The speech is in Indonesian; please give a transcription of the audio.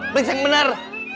periksa yang bener